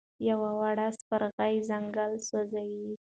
یوه وړه سپرغۍ ځنګل سوځوي.